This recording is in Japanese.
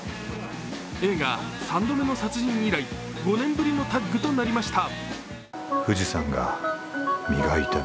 映画「三度目の殺人」以来５年ぶりのタッグとなりました。